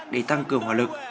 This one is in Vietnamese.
để tăng cường hòa lực